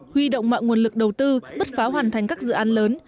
huy động mọi nguồn lực đầu tư bứt phá hoàn thành các dự án lớn